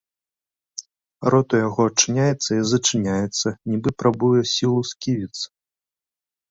Рот у яго адчыняецца і зачыняецца, нібы прабуе сілу сківіц.